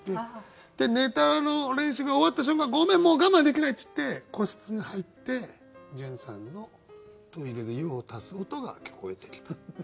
ネタの練習が終わった瞬間「ごめんもう我慢できない」って言って個室に入って潤さんのトイレで用を足す音が聞こえてきたっていう。